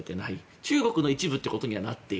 中国の一部ということにはなっている。